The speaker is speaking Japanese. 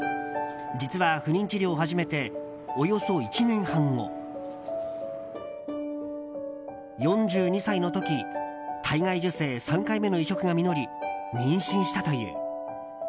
実は、不妊治療を始めておよそ１年半後４２歳の時体外受精３回目の移植が実り妊娠したという。